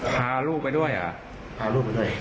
พาลูกไปด้วยหรอ